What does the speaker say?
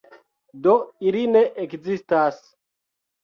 Do ili ne ekzistas.